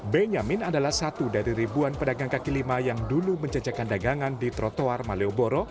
benyamin adalah satu dari ribuan pedagang kaki lima yang dulu menjajakan dagangan di trotoar malioboro